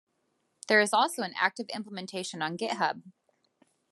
There is also an active implementation on Github.